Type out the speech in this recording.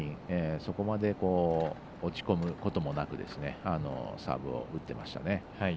そこまで落ち込むこともなくサーブを打ってましたね。